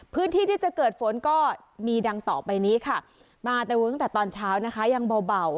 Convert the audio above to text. พื้นที่ที่จะเกิดฝนก็มีดังต่อไปนี้ค่ะมาแต่ตั้งแต่ตอนเช้านะคะยังเบา